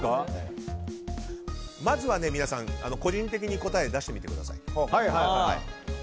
まずは皆さん、個人的に答えを出してみてください。